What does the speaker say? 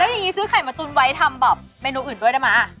อย่างนี้ซื้อไข่มาตุนไว้ทำแบบเมนูอื่นด้วยได้ไหม